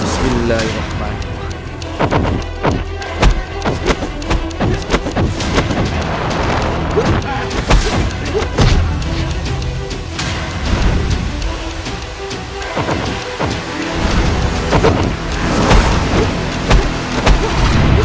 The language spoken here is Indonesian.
tidak ada yang lebih baik